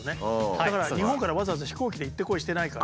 だから日本からわざわざ飛行機で行って来いしてないから。